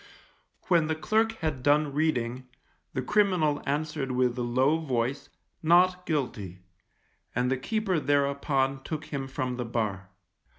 When the clerk had done reading, the criminal answered with a low voice, Not Guilty, and the keeper thereupon took him from the bar.